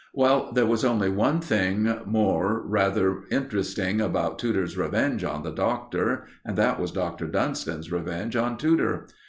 Well, there was only one thing more rather interesting about Tudor's revenge on the Doctor, and that was Dr. Dunston's revenge on Tudor.